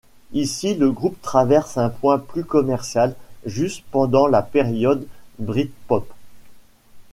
Ici le groupe traverse un point plus commercial juste pendant le période Britpop.